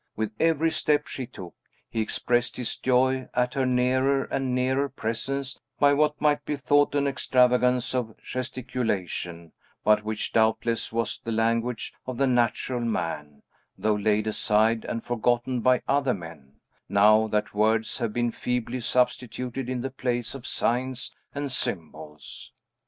With every step she took, he expressed his joy at her nearer and nearer presence by what might be thought an extravagance of gesticulation, but which doubtless was the language of the natural man, though laid aside and forgotten by other men, now that words have been feebly substituted in the place of signs and symbols.